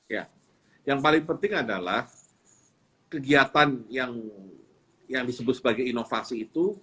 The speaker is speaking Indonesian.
ya yang paling penting adalah kegiatan yang disebut sebagai inovasi itu